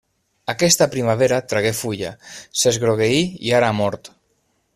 Aquesta primavera tragué fulla, s'esgrogueí i ara ha mort.